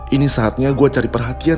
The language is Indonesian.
ini saatnya gue cari perhatian